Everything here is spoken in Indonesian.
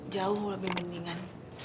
jauh lebih mendingan